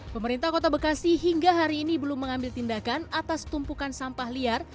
pemerintah kota bekasi hingga hari ini belum mengambil tindakan atas tumpukan sampah liar